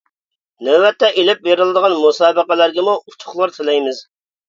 نۆۋەتتە ئېلىپ بېرىلىدىغان مۇسابىقىلەرگىمۇ ئۇتۇقلار تىلەيمىز.